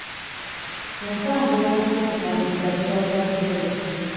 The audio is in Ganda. Entambula ez'okupangisa ziba za bbeeyi.